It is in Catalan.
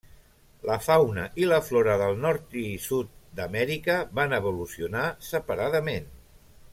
La fauna i la flora del nord i sud d'Amèrica van evolucionar separadament.